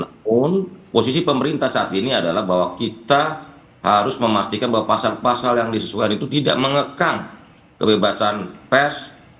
jadi posisi pemerintah saat ini adalah bahwa kita harus memastikan bahwa pasal pasal yang disesuaikan itu tidak mengekang kebebasan pes